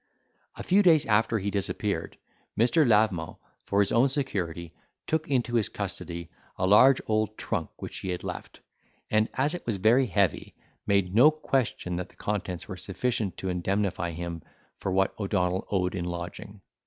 A few days after he disappeared, Mr. Lavement, for his own security, took into his custody a large old trunk which he had left; and as it was very heavy, made no question that the contents were sufficient to indemnify him for what O'Donnell owed in lodging.